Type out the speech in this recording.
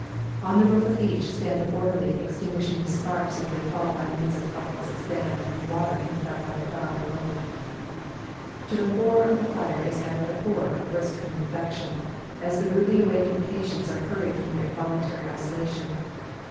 On the roof of each stands an orderly extinguishing the sparks as they fall by means of buckets of sand and water handed up by the crowd below. To the horror of fire is added the horror of risk from infection, as the rudely awakened patients are hurried from their involuntary isolation.